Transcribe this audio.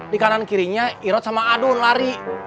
di kanan kirinya irot sama adun lari